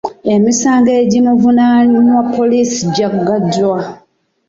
Emisango egimuvunaanwa poliisi gyagaddwa.